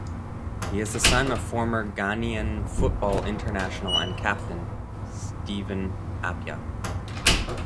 He is the son of former Ghanaian football international and captain Stephen Appiah.